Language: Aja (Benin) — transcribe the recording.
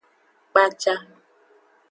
Kpaca.